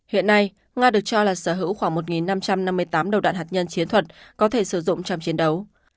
hiện nay nga được cho là sở hữu khoảng một năm trăm năm mươi tám đầu đạn hạt nhân chiến thuật có thể sử dụng trong chiến đấu